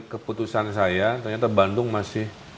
keputusan saya ternyata bandung masih